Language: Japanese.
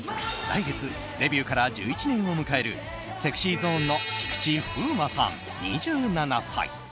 来月デビューから１１年を迎えるＳｅｘｙＺｏｎｅの菊池風磨さん、２７歳。